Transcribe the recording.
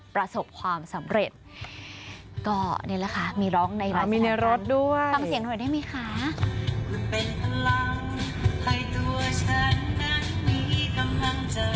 ประสบความสำเร็จก็นี่แหละค่ะมีร้องในไลฟ์มีในรถด้วยฟังเสียงหน่อยได้ไหมคะ